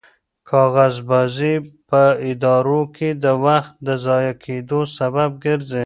کاغذبازي په ادارو کې د وخت د ضایع کېدو سبب ګرځي.